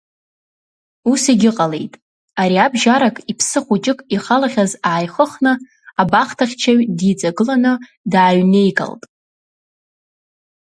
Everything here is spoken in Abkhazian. Ус егьыҟалеит, ариабжьарак иԥсы хәыҷык ихалахьаз ааихыхны, абахҭахьчаҩ диҵагыланы дааҩнеигалт.